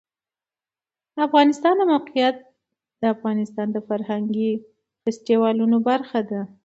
د افغانستان د موقعیت د افغانستان د فرهنګي فستیوالونو برخه ده.